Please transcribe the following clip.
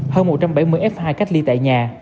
hơn một trăm bảy mươi f hai cách ly tại nhà